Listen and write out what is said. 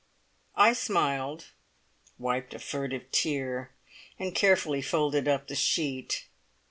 I smiled, wiped a furtive tear, and carefully folded up the sheet.